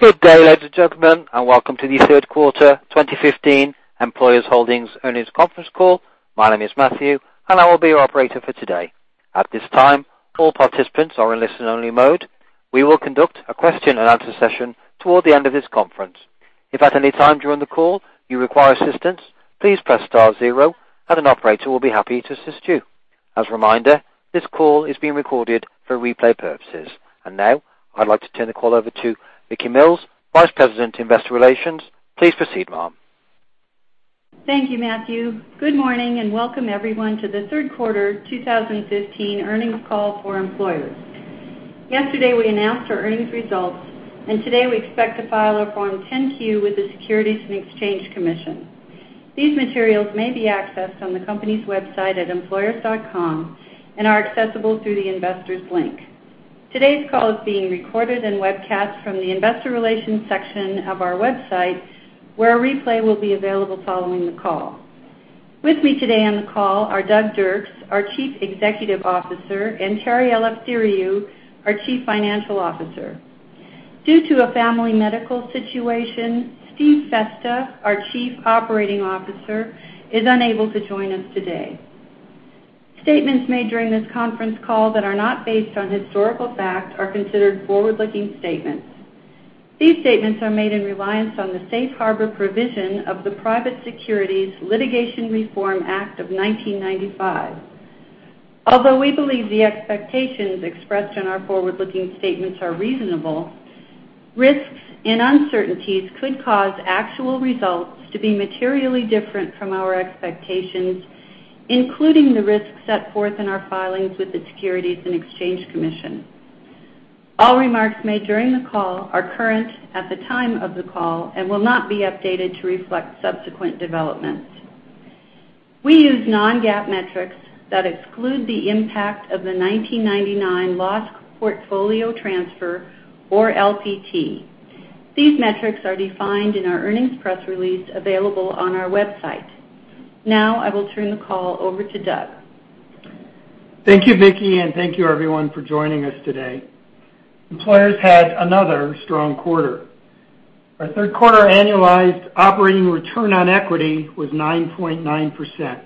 Good day, ladies and gentlemen, and welcome to the third quarter 2015 Employers Holdings earnings conference call. My name is Matthew, and I will be your operator for today. At this time, all participants are in listen-only mode. We will conduct a question-and-answer session toward the end of this conference. If at any time during the call you require assistance, please press star zero and an operator will be happy to assist you. As a reminder, this call is being recorded for replay purposes. Now I'd like to turn the call over to Vicki Mills, vice president of investor relations. Please proceed, ma'am. Thank you, Matthew. Good morning and welcome everyone to the third quarter 2015 earnings call for Employers. Yesterday, we announced our earnings results, and today we expect to file our Form 10-Q with the Securities and Exchange Commission. These materials may be accessed on the company's website at employers.com and are accessible through the investors link. Today's call is being recorded and webcast from the investor relations section of our website, where a replay will be available following the call. With me today on the call are Doug Dirks, our Chief Executive Officer, and Terry Eleftheriou, our Chief Financial Officer. Due to a family medical situation, Steve Festa, our Chief Operating Officer, is unable to join us today. Statements made during this conference call that are not based on historical fact are considered forward-looking statements. These statements are made in reliance on the safe harbor provision of the Private Securities Litigation Reform Act of 1995. Although we believe the expectations expressed in our forward-looking statements are reasonable, risks and uncertainties could cause actual results to be materially different from our expectations, including the risks set forth in our filings with the Securities and Exchange Commission. All remarks made during the call are current at the time of the call and will not be updated to reflect subsequent developments. We use non-GAAP metrics that exclude the impact of the 1999 loss portfolio transfer, or LPT. These metrics are defined in our earnings press release available on our website. Now I will turn the call over to Doug. Thank you, Vicki, and thank you everyone for joining us today. Employers had another strong quarter. Our third quarter annualized operating return on equity was 9.9%.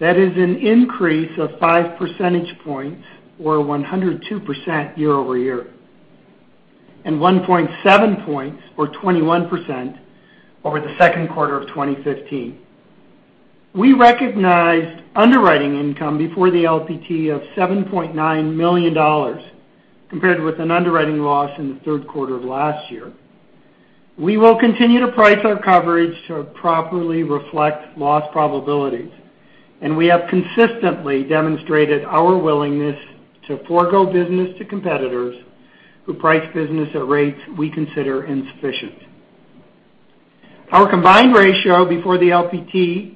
That is an increase of 5 percentage points, or 102% year-over-year, and 1.7 points, or 21%, over the second quarter of 2015. We recognized underwriting income before the LPT of $7.9 million, compared with an underwriting loss in the third quarter of last year. We will continue to price our coverage to properly reflect loss probabilities, and we have consistently demonstrated our willingness to forego business to competitors who price business at rates we consider insufficient. Our combined ratio before the LPT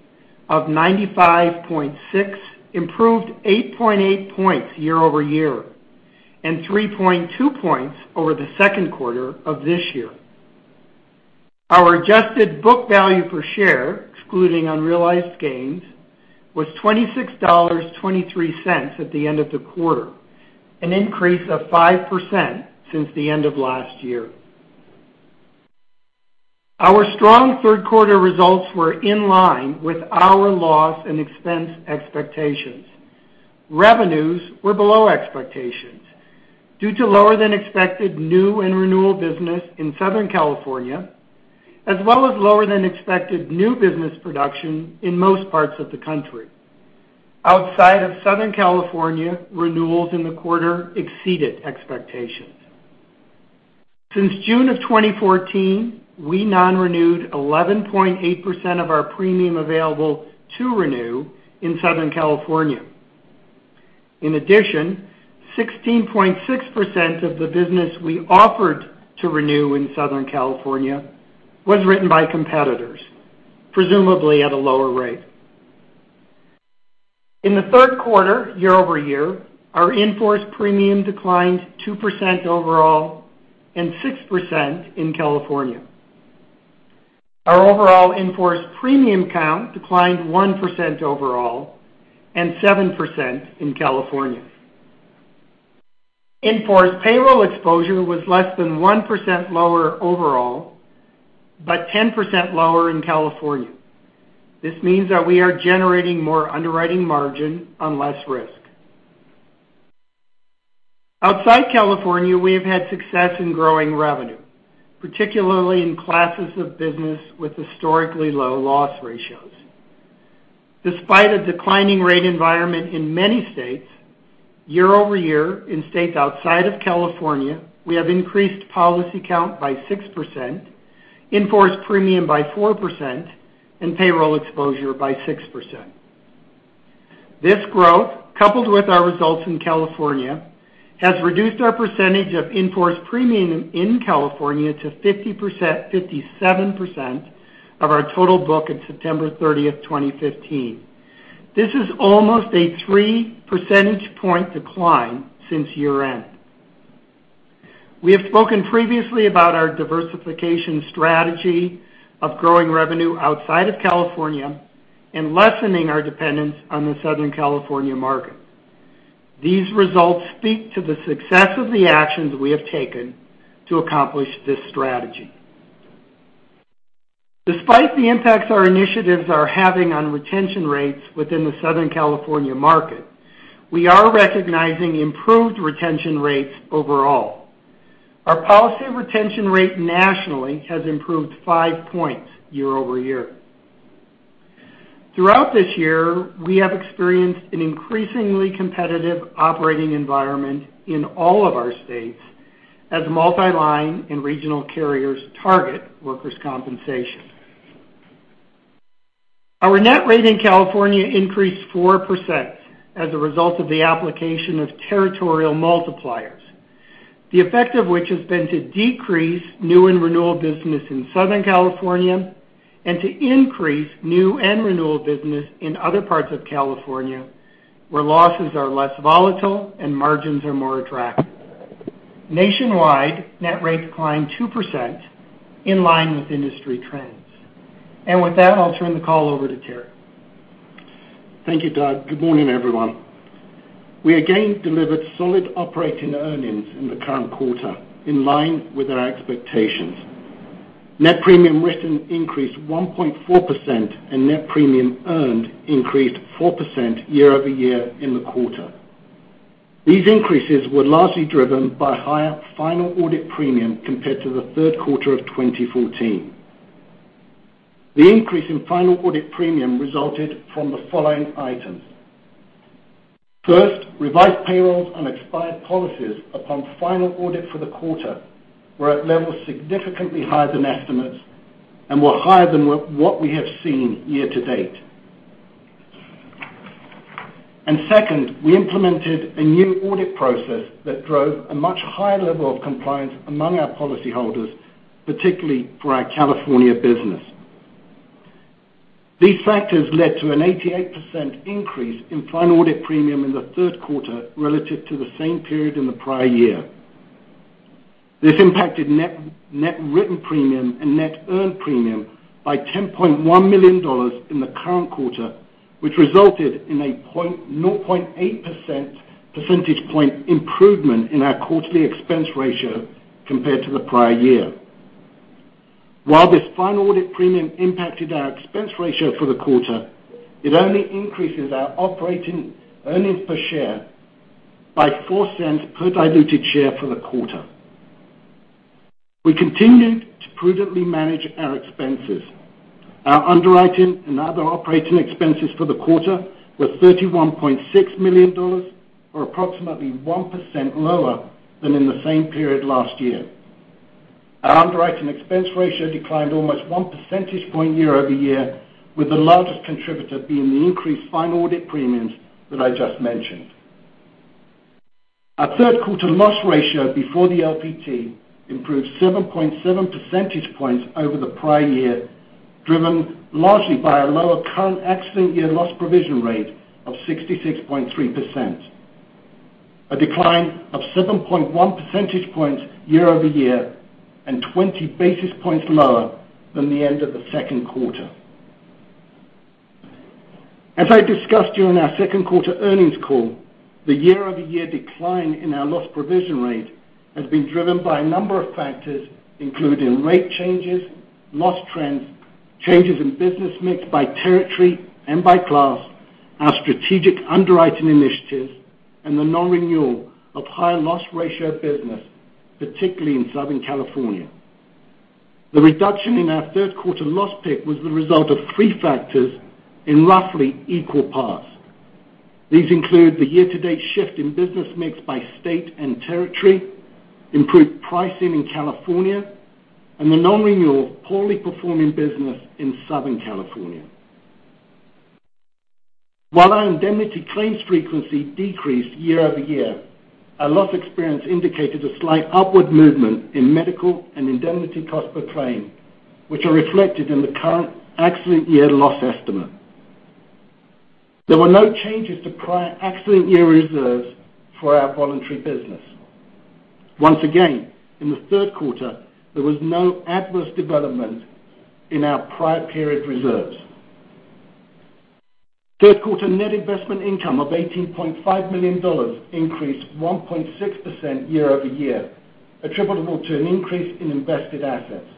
of 95.6 improved 8.8 points year-over-year and 3.2 points over the second quarter of this year. Our adjusted book value per share, excluding unrealized gains, was $26.23 at the end of the quarter, an increase of 5% since the end of last year. Our strong third quarter results were in line with our loss and expense expectations. Revenues were below expectations due to lower than expected new and renewal business in Southern California, as well as lower than expected new business production in most parts of the country. Outside of Southern California, renewals in the quarter exceeded expectations. Since June of 2014, we non-renewed 11.8% of our premium available to renew in Southern California. In addition, 16.6% of the business we offered to renew in Southern California was written by competitors, presumably at a lower rate. In the third quarter, year-over-year, our in-force premium declined 2% overall and 6% in California. Our overall in-force premium count declined 1% overall and 7% in California. In-force payroll exposure was less than 1% lower overall, but 10% lower in California. This means that we are generating more underwriting margin on less risk. Outside California, we have had success in growing revenue, particularly in classes of business with historically low loss ratios. Despite a declining rate environment in many states, year-over-year in states outside of California, we have increased policy count by 6%, in-force premium by 4%, and payroll exposure by 6%. This growth, coupled with our results in California, has reduced our percentage of in-force premium in California to 57% of our total book in September 30th, 2015. This is almost a three percentage point decline since year-end. We have spoken previously about our diversification strategy of growing revenue outside of California and lessening our dependence on the Southern California market. These results speak to the success of the actions we have taken to accomplish this strategy. Despite the impacts our initiatives are having on retention rates within the Southern California market, we are recognizing improved retention rates overall. Our policy retention rate nationally has improved five points year-over-year. Throughout this year, we have experienced an increasingly competitive operating environment in all of our states as multi-line and regional carriers target workers' compensation. Our net rate in California increased 4% as a result of the application of territorial multipliers, the effect of which has been to decrease new and renewal business in Southern California, and to increase new and renewal business in other parts of California, where losses are less volatile and margins are more attractive. Nationwide, net rates climbed 2%, in line with industry trends. With that, I'll turn the call over to Terry. Thank you, Doug. Good morning, everyone. We again delivered solid operating earnings in the current quarter, in line with our expectations. Net premium written increased 1.4%, and net premium earned increased 4% year-over-year in the quarter. These increases were largely driven by higher final audit premium compared to the third quarter of 2014. The increase in final audit premium resulted from the following items. First, revised payrolls on expired policies upon final audit for the quarter were at levels significantly higher than estimates and were higher than what we have seen year to date. Second, we implemented a new audit process that drove a much higher level of compliance among our policyholders, particularly for our California business. These factors led to an 88% increase in final audit premium in the third quarter relative to the same period in the prior year. This impacted net written premium and net earned premium by $10.1 million in the current quarter, which resulted in a 0.8 percentage point improvement in our quarterly expense ratio compared to the prior year. While this final audit premium impacted our expense ratio for the quarter, it only increases our operating earnings per share by $0.04 per diluted share for the quarter. We continued to prudently manage our expenses. Our underwriting and other operating expenses for the quarter were $31.6 million, or approximately 1% lower than in the same period last year. Our underwriting expense ratio declined almost one percentage point year-over-year, with the largest contributor being the increased final audit premiums that I just mentioned. Our third quarter loss ratio before the LPT improved 7.7 percentage points over the prior year, driven largely by a lower current accident year loss provision rate of 66.3%. A decline of 7.1 percentage points year-over-year, and 20 basis points lower than the end of the second quarter. As I discussed during our second quarter earnings call, the year-over-year decline in our loss provision rate has been driven by a number of factors, including rate changes, loss trends, changes in business mix by territory and by class, our strategic underwriting initiatives, and the non-renewal of higher loss ratio business, particularly in Southern California. The reduction in our third quarter loss pick was the result of three factors in roughly equal parts. These include the year-to-date shift in business mix by state and territory, improved pricing in California, and the non-renewal of poorly performing business in Southern California. While our indemnity claims frequency decreased year-over-year, our loss experience indicated a slight upward movement in medical and indemnity cost per claim, which are reflected in the current accident year loss estimate. There were no changes to prior accident year reserves for our voluntary business. Once again, in the third quarter, there was no adverse development in our prior period reserves. Third quarter net investment income of $18.5 million increased 1.6% year-over-year, attributable to an increase in invested assets.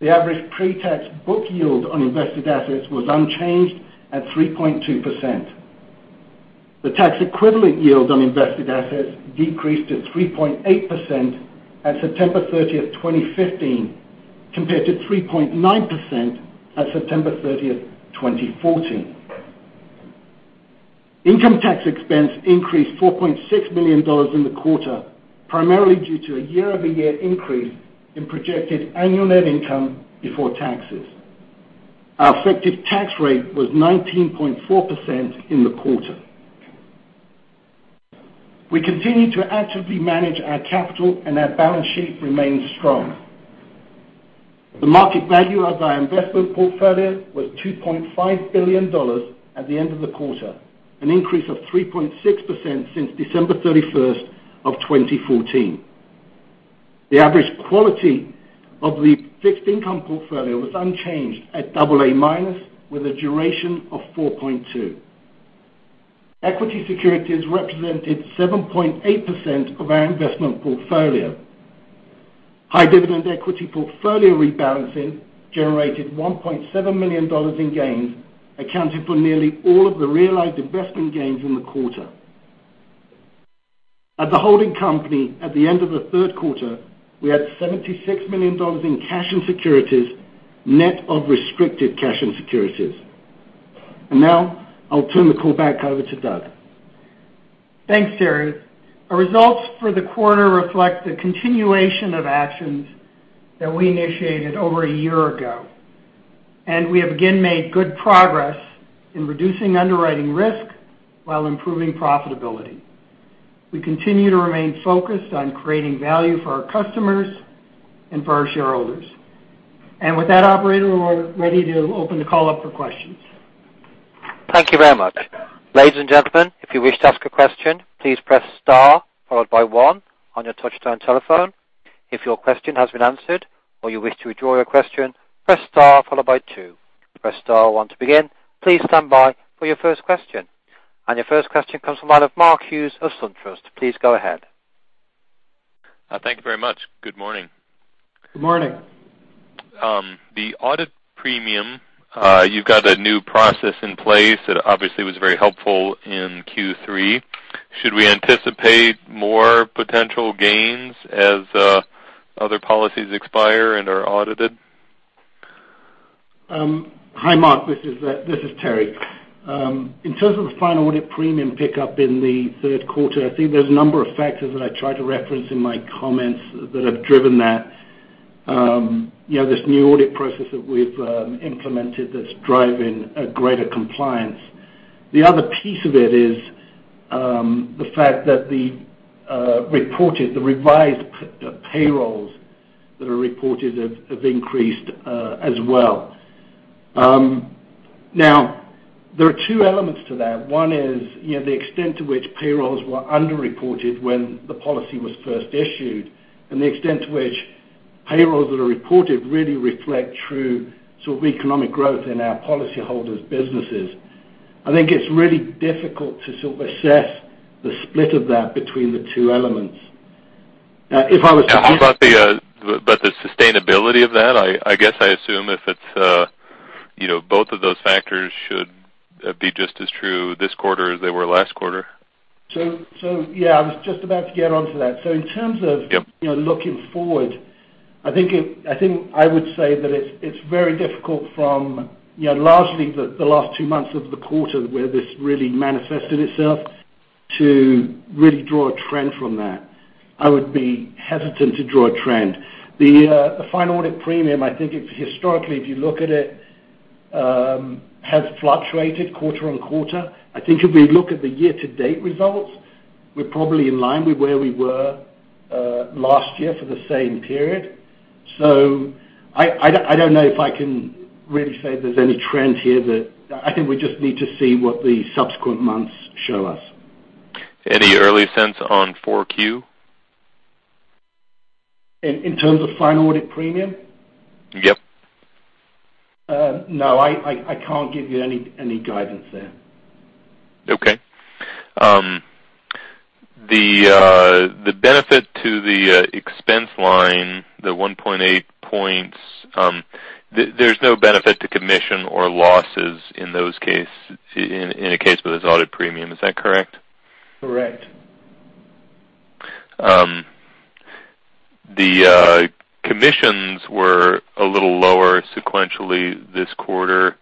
The average pre-tax book yield on invested assets was unchanged at 3.2%. The tax equivalent yield on invested assets decreased to 3.8% at September 30th, 2015, compared to 3.9% at September 30th, 2014. Income tax expense increased $4.6 million in the quarter, primarily due to a year-over-year increase in projected annual net income before taxes. Our effective tax rate was 19.4% in the quarter. We continue to actively manage our capital, and our balance sheet remains strong. The market value of our investment portfolio was $2.5 billion at the end of the quarter, an increase of 3.6% since December 31st of 2014. The average quality of the fixed income portfolio was unchanged at AA- with a duration of 4.2. Equity securities represented 7.8% of our investment portfolio. High dividend equity portfolio rebalancing generated $1.7 million in gains, accounting for nearly all of the realized investment gains in the quarter. At the holding company, at the end of the third quarter, we had $76 million in cash and securities net of restricted cash and securities. Now I'll turn the call back over to Doug. Thanks, Terry. Our results for the quarter reflect the continuation of actions that we initiated over a year ago. We have again made good progress in reducing underwriting risk while improving profitability. We continue to remain focused on creating value for our customers and for our shareholders. With that operator, we're ready to open the call up for questions. Thank you very much. Ladies and gentlemen, if you wish to ask a question, please press star followed by 1 on your touch-tone telephone. If your question has been answered or you wish to withdraw your question, press star followed by 2. Press star 1 to begin. Please stand by for your first question. Your first question comes from Mark Hughes of SunTrust. Please go ahead. Thank you very much. Good morning. Good morning. The audit premium, you've got a new process in place that obviously was very helpful in Q3. Should we anticipate more potential gains as other policies expire and are audited? Hi, Mark. This is Terry. In terms of the final audit premium pickup in the third quarter, I think there's a number of factors that I tried to reference in my comments that have driven that. This new audit process that we've implemented that's driving a greater compliance. The other piece of it is the fact that the revised payrolls that are reported have increased as well. There are two elements to that. One is the extent to which payrolls were underreported when the policy was first issued, and the extent to which payrolls that are reported really reflect true sort of economic growth in our policyholders' businesses. I think it's really difficult to sort of assess the split of that between the two elements. if I was to- How about the sustainability of that? I guess I assume if it's both of those factors should be just as true this quarter as they were last quarter. yeah, I was just about to get onto that. in terms of- Yep Looking forward, I think I would say that it's very difficult from largely the last two months of the quarter where this really manifested itself to really draw a trend from that. I would be hesitant to draw a trend. The final audit premium, I think it historically, if you look at it, has fluctuated quarter on quarter. I think if we look at the year-to-date results, we're probably in line with where we were last year for the same period. I don't know if I can really say there's any trend here that I think we just need to see what the subsequent months show us. Any early sense on 4Q? In terms of final audit premium? Yep. No, I can't give you any guidance there. Okay. The benefit to the expense line, the 1.8 points, there's no benefit to commission or losses in a case with this audit premium. Is that correct? Correct. The commissions were a little lower sequentially this quarter.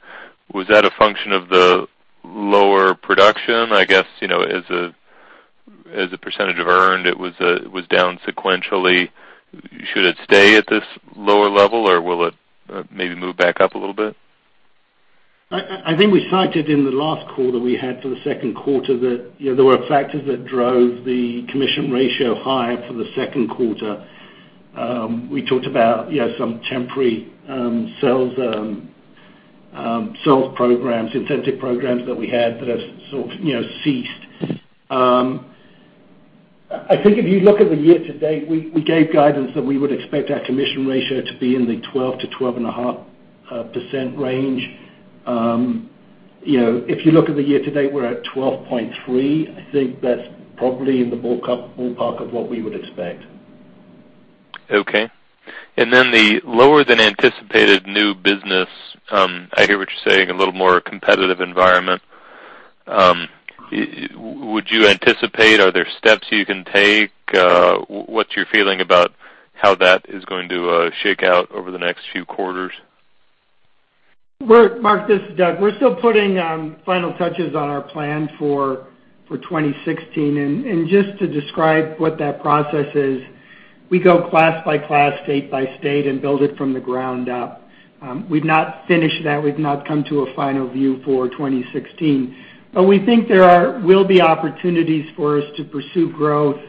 Was that a function of the lower production? I guess, as a % of earned, it was down sequentially. Should it stay at this lower level, or will it maybe move back up a little bit? I think we cited in the last call that we had for the second quarter that there were factors that drove the commission ratio higher for the second quarter. We talked about some temporary sales incentive programs that we had that have sort of ceased. I think if you look at the year-to-date, we gave guidance that we would expect our commission ratio to be in the 12%-12.5% range. If you look at the year-to-date, we're at 12.3%. I think that's probably in the ballpark of what we would expect. Okay. Then the lower than anticipated new business. I hear what you're saying, a little more competitive environment. Would you anticipate, are there steps you can take? What's your feeling about how that is going to shake out over the next few quarters? Mark, this is Doug. We're still putting final touches on our plan for 2016. Just to describe what that process is, we go class by class, state by state, and build it from the ground up. We've not finished that. We've not come to a final view for 2016. We think there will be opportunities for us to pursue growth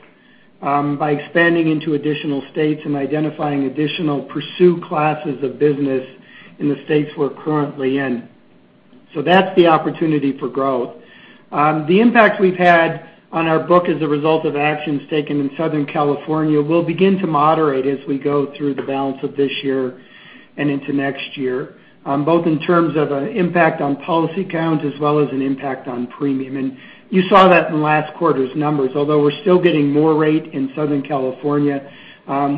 by expanding into additional states and identifying additional pursue classes of business in the states we're currently in. That's the opportunity for growth. The impact we've had on our book as a result of actions taken in Southern California will begin to moderate as we go through the balance of this year and into next year, both in terms of an impact on policy counts as well as an impact on premium. You saw that in last quarter's numbers. Although we're still getting more rate in Southern California,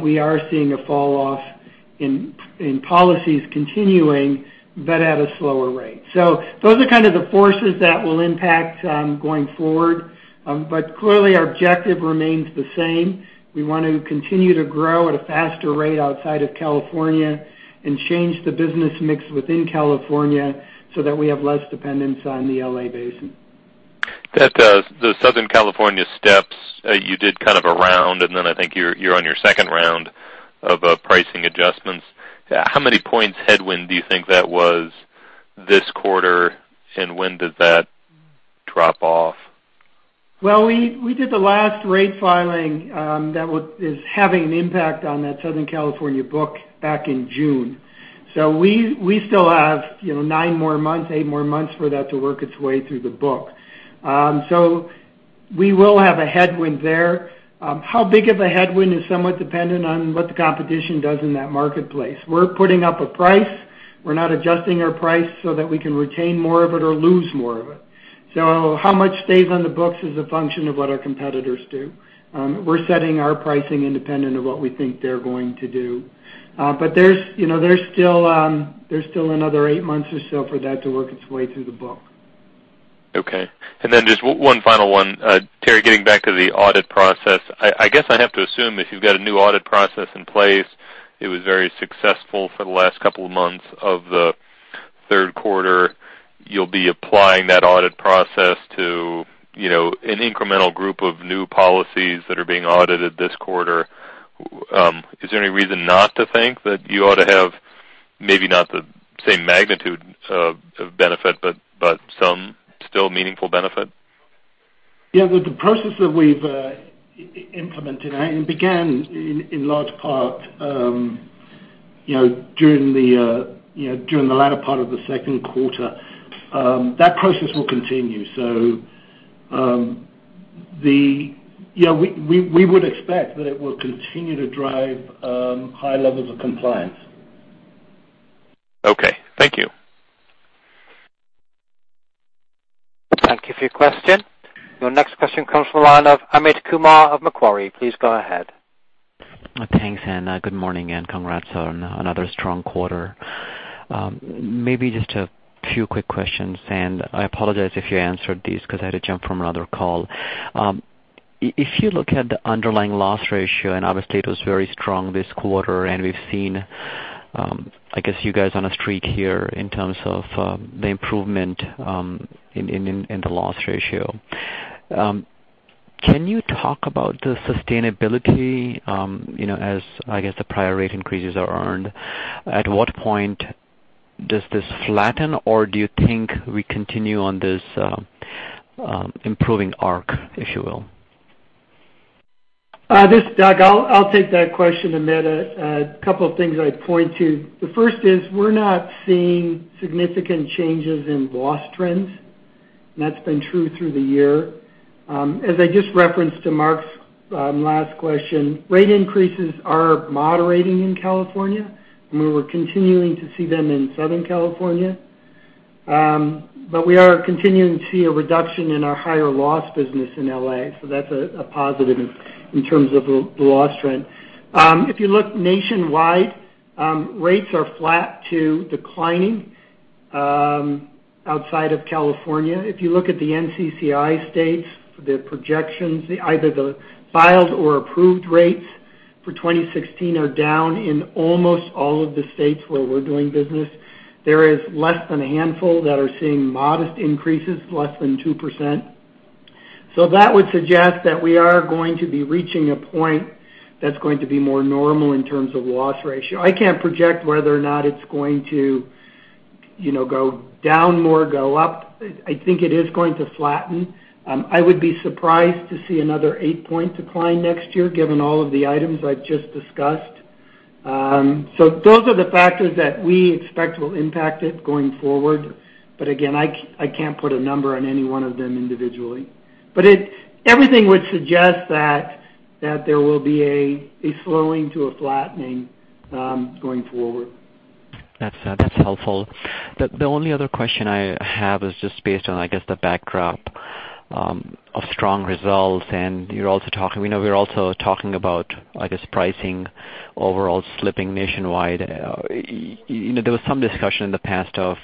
we are seeing a fall off in policies continuing, but at a slower rate. Those are kind of the forces that will impact going forward. Clearly our objective remains the same. We want to continue to grow at a faster rate outside of California and change the business mix within California so that we have less dependence on the L.A. basin. That Southern California steps, you did kind of a round, then I think you're on your second round of pricing adjustments. How many points headwind do you think that was this quarter, and when does that drop off? Well, we did the last rate filing that is having an impact on that Southern California book back in June. We still have eight more months for that to work its way through the book. We will have a headwind there. How big of a headwind is somewhat dependent on what the competition does in that marketplace. We're putting up a price. We're not adjusting our price so that we can retain more of it or lose more of it. How much stays on the books is a function of what our competitors do. We're setting our pricing independent of what we think they're going to do. There's still another eight months or so for that to work its way through the book. Just one final one. Terry, getting back to the audit process, I guess I have to assume if you've got a new audit process in place, it was very successful for the last couple of months of the third quarter. You'll be applying that audit process to an incremental group of new policies that are being audited this quarter. Is there any reason not to think that you ought to have, maybe not the same magnitude of benefit, but some still meaningful benefit? Yeah, the process that we've implemented and began in large part during the latter part of the second quarter, that process will continue. We would expect that it will continue to drive high levels of compliance. Okay. Thank you. Thank you for your question. Your next question comes from the line of Amit Kumar of Macquarie. Please go ahead. Thanks. Good morning, and congrats on another strong quarter. Maybe just a few quick questions. I apologize if you answered these because I had to jump from another call. If you look at the underlying loss ratio, obviously it was very strong this quarter. We've seen, I guess, you guys on a streak here in terms of the improvement in the loss ratio. Can you talk about the sustainability as the prior rate increases are earned? At what point does this flatten, or do you think we continue on this improving arc, if you will? This is Doug. I'll take that question, Amit. A couple of things I'd point to. The first is we're not seeing significant changes in loss trends. That's been true through the year. As I just referenced to Mark's last question, rate increases are moderating in California. We're continuing to see them in Southern California. We are continuing to see a reduction in our higher loss business in L.A. That's a positive in terms of the loss trend. If you look nationwide, rates are flat to declining outside of California. If you look at the NCCI states, the projections, either the filed or approved rates for 2016 are down in almost all of the states where we're doing business. There is less than a handful that are seeing modest increases, less than 2%. That would suggest that we are going to be reaching a point that's going to be more normal in terms of loss ratio. I can't project whether or not it's going to go down more, go up. I think it is going to flatten. I would be surprised to see another eight-point decline next year, given all of the items I've just discussed. Those are the factors that we expect will impact it going forward. Again, I can't put a number on any one of them individually. Everything would suggest that there will be a slowing to a flattening going forward. That's helpful. The only other question I have is just based on, I guess, the backdrop of strong results. We're also talking about, I guess, pricing overall slipping nationwide. There was some discussion in the past of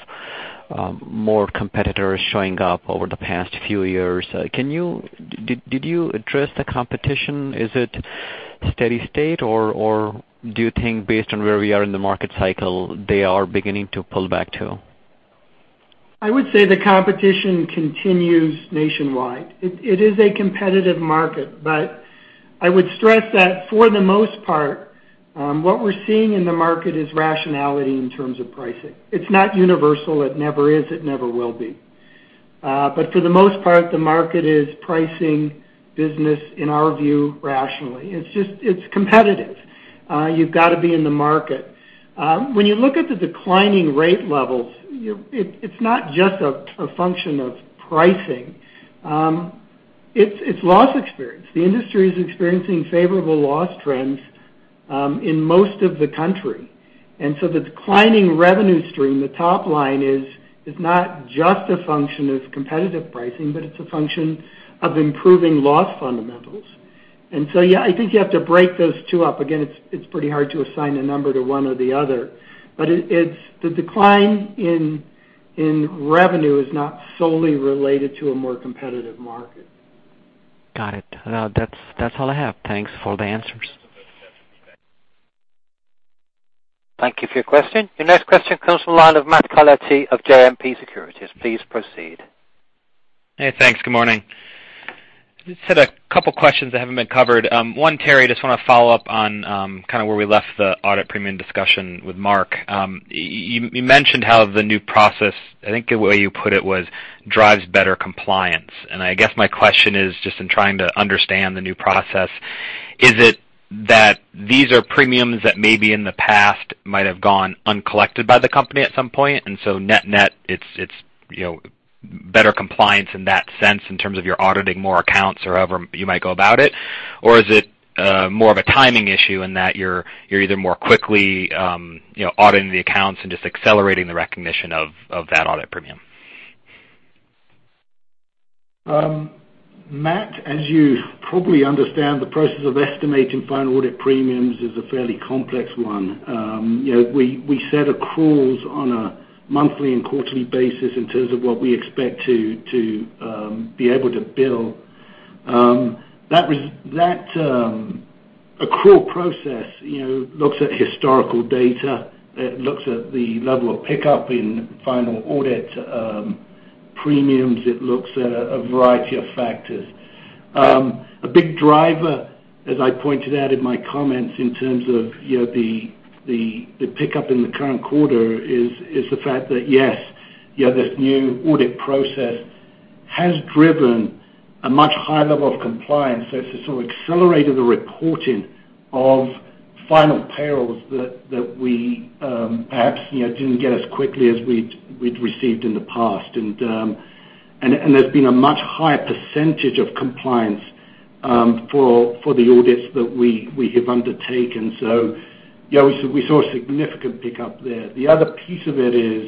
more competitors showing up over the past few years. Did you address the competition? Is it steady state, or do you think based on where we are in the market cycle, they are beginning to pull back, too? I would say the competition continues nationwide. It is a competitive market, but I would stress that for the most part, what we're seeing in the market is rationality in terms of pricing. It's not universal. It never is. It never will be. But for the most part, the market is pricing business, in our view, rationally. It's competitive. You've got to be in the market. When you look at the declining rate levels, it's not just a function of pricing. It's loss experience. The industry is experiencing favorable loss trends in most of the country. The declining revenue stream, the top line is not just a function of competitive pricing, but it's a function of improving loss fundamentals. Yeah, I think you have to break those two up. Again, it's pretty hard to assign a number to one or the other, but the decline in revenue is not solely related to a more competitive market. Got it. That's all I have. Thanks for the answers. Thank you for your question. Your next question comes from the line of Matthew Carletti of JMP Securities. Please proceed. Thanks. Good morning. Just had a couple questions that haven't been covered. One, Terry Eleftheriou, just want to follow up on kind of where we left the audit premium discussion with Mark Hughes. You mentioned how the new process, I think the way you put it was, drives better compliance. I guess my question is just in trying to understand the new process, is it that these are premiums that maybe in the past might have gone uncollected by the company at some point, so net-net, it's better compliance in that sense in terms of you're auditing more accounts or however you might go about it? Or is it more of a timing issue in that you're either more quickly auditing the accounts and just accelerating the recognition of that final audit premium? Matt Carletti, as you probably understand, the process of estimating final audit premiums is a fairly complex one. We set accruals on a monthly and quarterly basis in terms of what we expect to be able to bill. That accrual process looks at historical data. It looks at the level of pickup in final audit premiums. It looks at a variety of factors. A big driver, as I pointed out in my comments in terms of the pickup in the current quarter is the fact that, yes, this new audit process has driven a much higher level of compliance. It's sort of accelerated the reporting of final payrolls that we perhaps didn't get as quickly as we'd received in the past. There's been a much higher percentage of compliance for the audits that we have undertaken. We saw a significant pickup there. The other piece of it is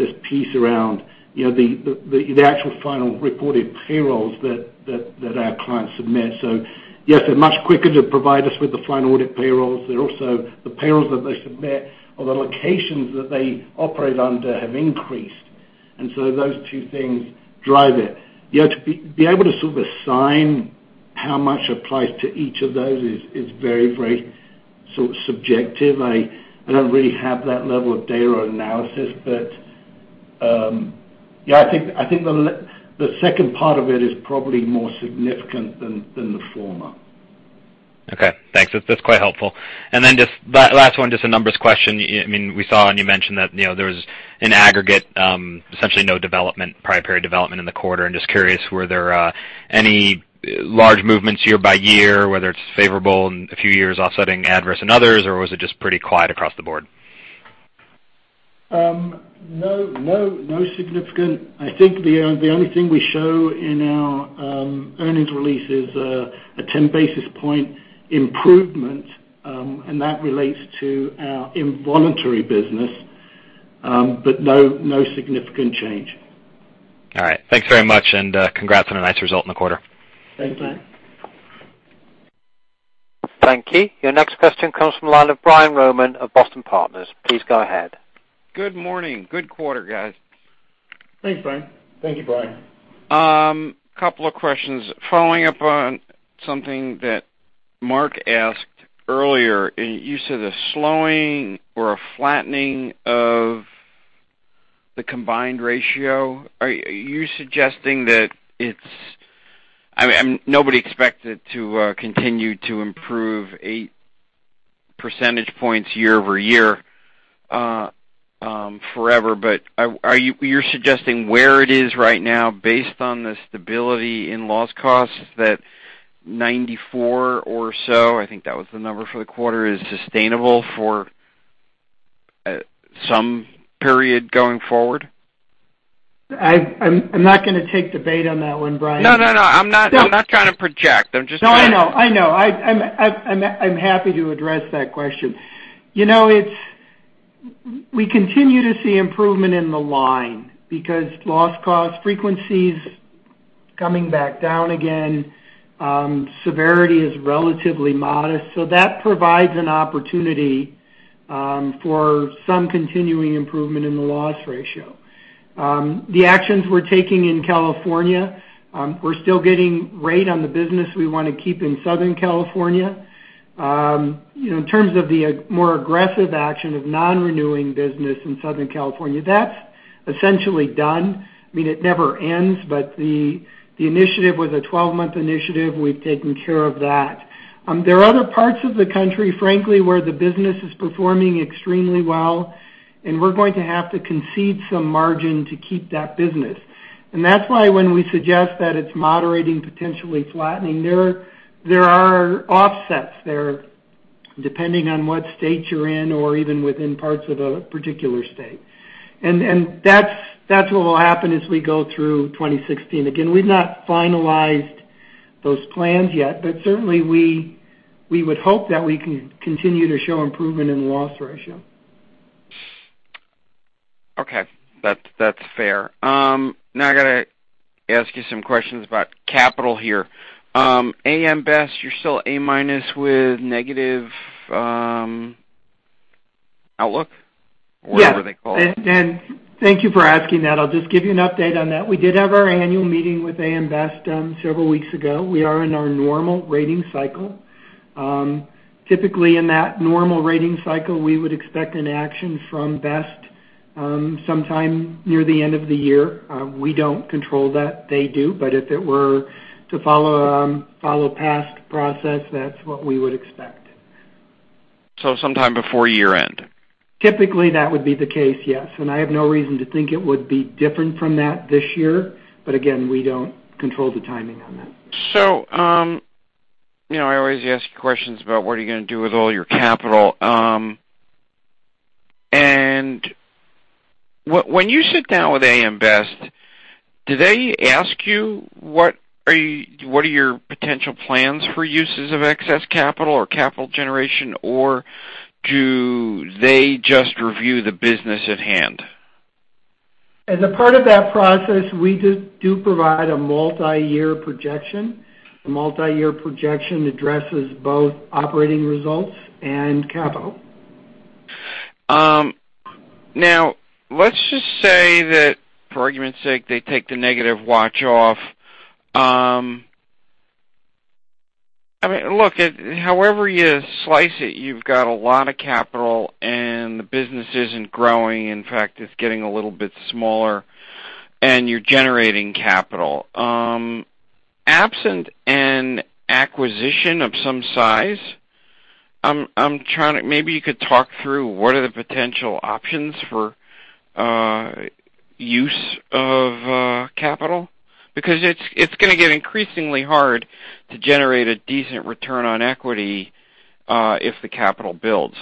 this piece around the actual final reported payrolls that our clients submit. Yes, they're much quicker to provide us with the final audit payrolls. They're also the payrolls that they submit or the locations that they operate under have increased. Those two things drive it. To be able to sort of assign how much applies to each of those is very sort of subjective. I don't really have that level of data analysis, but I think the second part of it is probably more significant than the former. Okay, thanks. That's quite helpful. Just last one, just a numbers question. We saw and you mentioned that there was an aggregate, essentially no development, prior period development in the quarter. I'm just curious, were there any large movements year by year, whether it's favorable in a few years offsetting adverse in others, or was it just pretty quiet across the board? No significant. I think the only thing we show in our earnings release is a 10-basis point improvement. That relates to our involuntary business, no significant change. All right. Thanks very much. Congrats on a nice result in the quarter. Thank you. Thank you. Your next question comes from the line of Brian Rohman of Boston Partners. Please go ahead. Good morning. Good quarter, guys. Thanks, Brian. Thank you, Brian. Couple of questions. Following up on something that Mark asked earlier, you said a slowing or a flattening of the combined ratio. Are you suggesting that Nobody expected to continue to improve eight percentage points year-over-year forever. You're suggesting where it is right now based on the stability in loss costs that 94 or so, I think that was the number for the quarter, is sustainable for some period going forward? I'm not going to take debate on that one, Brian. I'm not trying to project. I know. I'm happy to address that question. We continue to see improvement in the line because loss cost frequency's coming back down again. Severity is relatively modest. That provides an opportunity for some continuing improvement in the loss ratio. The actions we're taking in California, we're still getting rate on the business we want to keep in Southern California. In terms of the more aggressive action of non-renewing business in Southern California, that's essentially done. It never ends, but the initiative was a 12-month initiative. We've taken care of that. There are other parts of the country, frankly, where the business is performing extremely well, and we're going to have to concede some margin to keep that business. That's why when we suggest that it's moderating, potentially flattening, there are offsets there. Depending on what state you're in, or even within parts of a particular state. That's what will happen as we go through 2016. Again, we've not finalized those plans yet, but certainly, we would hope that we can continue to show improvement in loss ratio. Okay. That's fair. I got to ask you some questions about capital here. AM Best, you're still A- with negative outlook? Whatever they call it. Yes. Thank you for asking that. I'll just give you an update on that. We did have our annual meeting with AM Best several weeks ago. We are in our normal rating cycle. Typically, in that normal rating cycle, we would expect an action from Best sometime near the end of the year. We don't control that, they do. If it were to follow past process, that's what we would expect. Sometime before year-end? Typically, that would be the case, yes. I have no reason to think it would be different from that this year. Again, we don't control the timing on that. I always ask questions about what are you going to do with all your capital. When you sit down with AM Best, do they ask you what are your potential plans for uses of excess capital or capital generation, or do they just review the business at hand? As a part of that process, we do provide a multi-year projection. The multi-year projection addresses both operating results and capital. Let's just say that, for argument's sake, they take the negative watch off. However you slice it, you've got a lot of capital, and the business isn't growing. In fact, it's getting a little bit smaller, and you're generating capital. Absent an acquisition of some size, maybe you could talk through what are the potential options for use of capital, because it's going to get increasingly hard to generate a decent return on equity if the capital builds.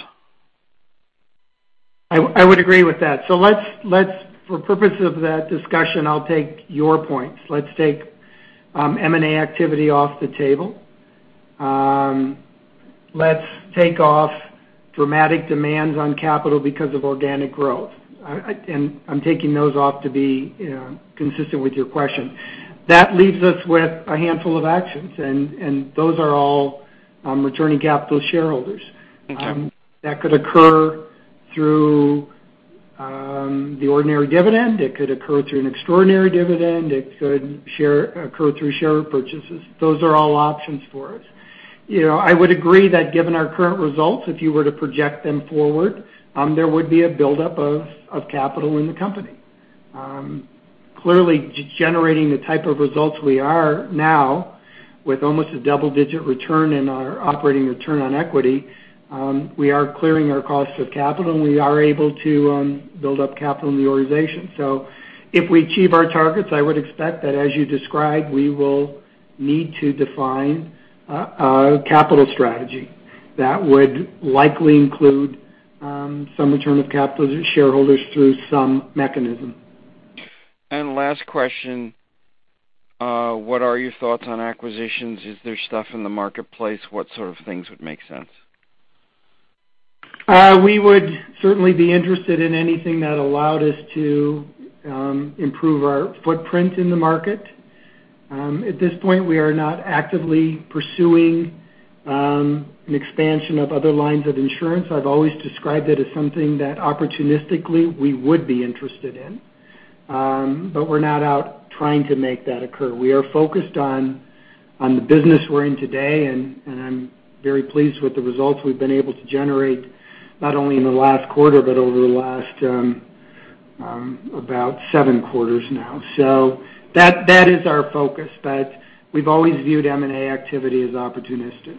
I would agree with that. For purpose of that discussion, I'll take your points. Let's take M&A activity off the table. Let's take off dramatic demands on capital because of organic growth. I'm taking those off to be consistent with your question. That leaves us with a handful of actions, and those are all returning capital to shareholders. Okay. That could occur through the ordinary dividend, it could occur through an extraordinary dividend, it could occur through share purchases. Those are all options for us. I would agree that given our current results, if you were to project them forward, there would be a buildup of capital in the company. Clearly, generating the type of results we are now with almost a double-digit return in our operating return on equity, we are clearing our cost of capital, and we are able to build up capital in the organization. If we achieve our targets, I would expect that, as you described, we will need to define a capital strategy that would likely include some return of capital to shareholders through some mechanism. Last question, what are your thoughts on acquisitions? Is there stuff in the marketplace? What sort of things would make sense? We would certainly be interested in anything that allowed us to improve our footprint in the market. At this point, we are not actively pursuing an expansion of other lines of insurance. I've always described it as something that opportunistically we would be interested in. We're not out trying to make that occur. We are focused on the business we're in today, and I'm very pleased with the results we've been able to generate, not only in the last quarter, but over the last about seven quarters now. That is our focus, but we've always viewed M&A activity as opportunistic.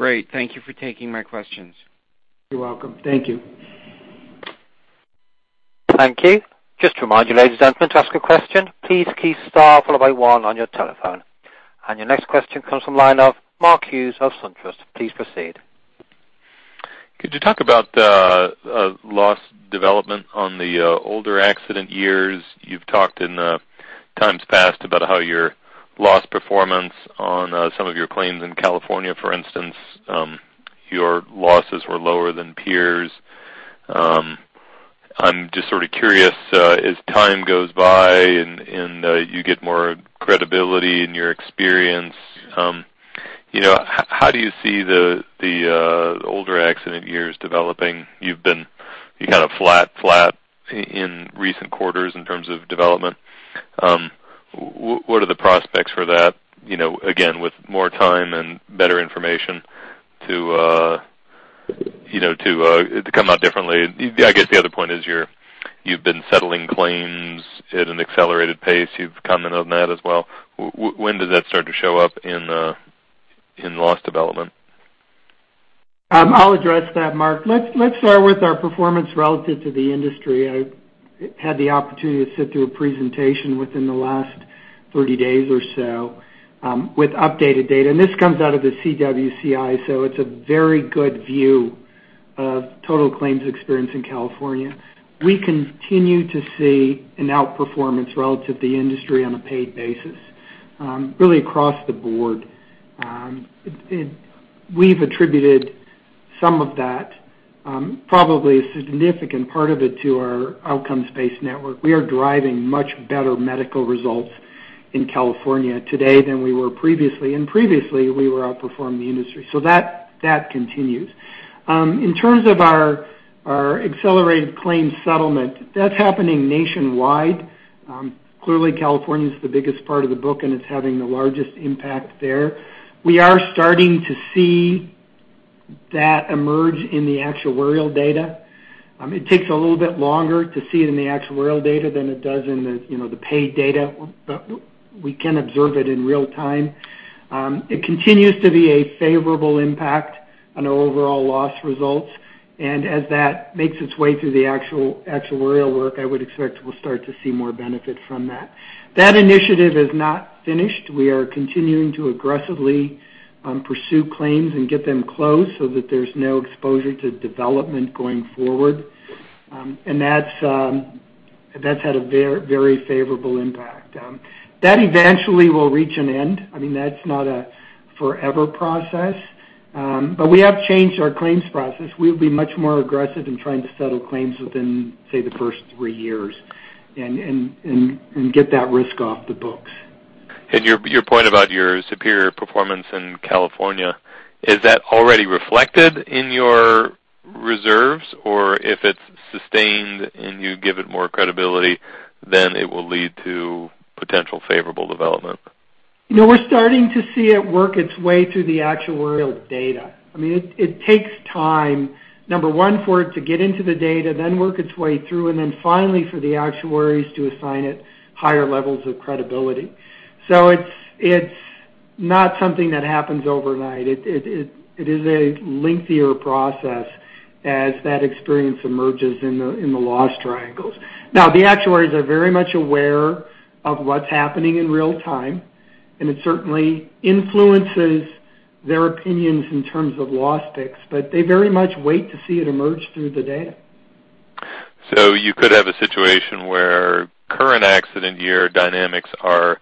Great. Thank you for taking my questions. You're welcome. Thank you. Thank you. Just to remind you, ladies and gentlemen, to ask a question, please key star followed by one on your telephone. Your next question comes from line of Mark Hughes of SunTrust. Please proceed. Could you talk about the loss development on the older accident years? You've talked in times past about how your loss performance on some of your claims in California, for instance, your losses were lower than peers. I'm just sort of curious, as time goes by and you get more credibility in your experience, how do you see the older accident years developing? You've been kind of flat in recent quarters in terms of development. What are the prospects for that, again, with more time and better information to come out differently? I guess the other point is you've been settling claims at an accelerated pace. You've commented on that as well. When does that start to show up in loss development? I'll address that, Mark. Let's start with our performance relative to the industry. I had the opportunity to sit through a presentation within the last 30 days or so with updated data. This comes out of the CWCI, so it's a very good view of total claims experience in California. We continue to see an outperformance relative to the industry on a paid basis, really across the board. We've attributed some of that, probably a significant part of it, to our outcomes-based network. We are driving much better medical results in California today than we were previously. Previously, we were outperforming the industry. That continues. In terms of our accelerated claims settlement, that's happening nationwide. Clearly, California is the biggest part of the book, and it's having the largest impact there. We are starting to see that emerge in the actuarial data. It takes a little bit longer to see it in the actuarial data than it does in the paid data, but we can observe it in real-time. It continues to be a favorable impact on our overall loss results. As that makes its way through the actuarial work, I would expect we'll start to see more benefit from that. That initiative is not finished. We are continuing to aggressively pursue claims and get them closed so that there's no exposure to development going forward. That's had a very favorable impact. That eventually will reach an end. That's not a forever process. We have changed our claims process. We'll be much more aggressive in trying to settle claims within, say, the first three years and get that risk off the books. Your point about your superior performance in California, is that already reflected in your reserves? If it's sustained and you give it more credibility, then it will lead to potential favorable development? We're starting to see it work its way through the actuarial data. It takes time, number 1, for it to get into the data, then work its way through, and then finally, for the actuaries to assign it higher levels of credibility. It's not something that happens overnight. It is a lengthier process as that experience emerges in the loss triangles. The actuaries are very much aware of what's happening in real-time, and it certainly influences their opinions in terms of loss picks, but they very much wait to see it emerge through the data. You could have a situation where current accident year dynamics are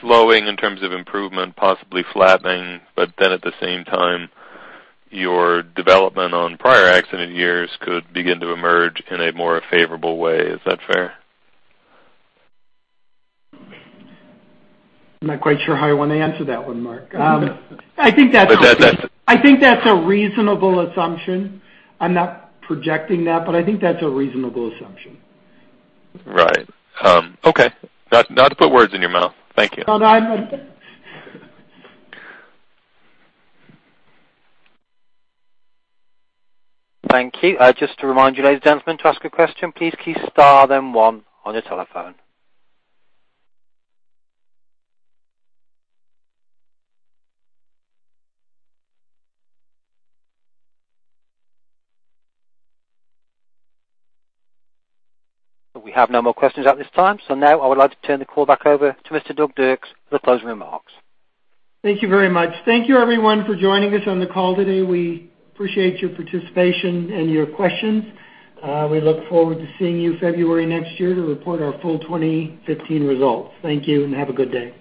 slowing in terms of improvement, possibly flattening, at the same time, your development on prior accident years could begin to emerge in a more favorable way. Is that fair? I'm not quite sure how I want to answer that one, Mark. I think that's a reasonable assumption. I'm not projecting that, but I think that's a reasonable assumption. Right. Okay. Not to put words in your mouth. Thank you. No, no. Thank you. Just to remind you, ladies and gentlemen, to ask a question, please key star then one on your telephone. We have no more questions at this time. Now I would like to turn the call back over to Mr. Doug Dirks for the closing remarks. Thank you very much. Thank you, everyone, for joining us on the call today. We appreciate your participation and your questions. We look forward to seeing you February next year to report our full 2015 results. Thank you, and have a good day.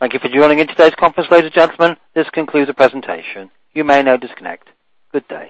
Thank you for joining in today's conference, ladies and gentlemen. This concludes the presentation. You may now disconnect. Good day.